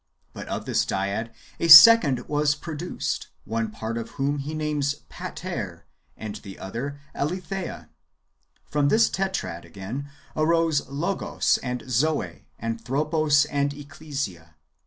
But of this Dyad a second was pro duced, one part of wdiom he names Pater, and the other Aletheia. From this Tetrad, again, arose Logos and Zoe, Anthropos and Ecclesia.